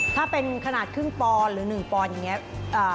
ถ้าเป็นขนาดครึ่งปอนหรือ๑ปอนด์อย่างนี้